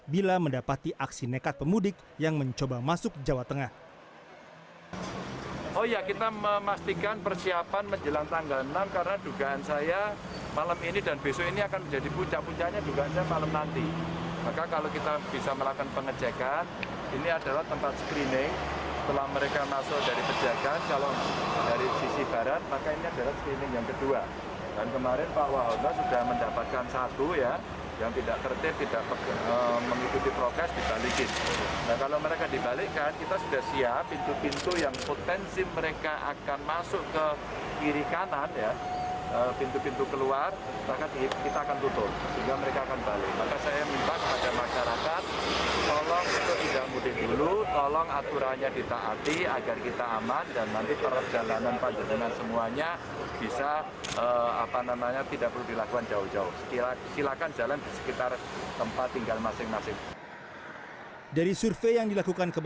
bila mendapati aksi nekat pemudik yang mencoba masuk jawa tengah